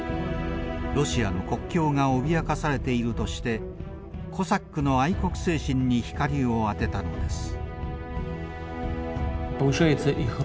ロシアの国境が脅かされているとしてコサックの愛国精神に光を当てたのです。